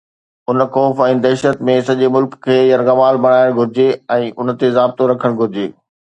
ان خوف ۽ دهشت ۾ سڄي ملڪ کي يرغمال بڻائڻ گهرجي ۽ ان تي ضابطو رکڻ گهرجي